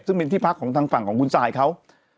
ซึ่งเป็นที่พักของทางฝั่งของคุณซายเขา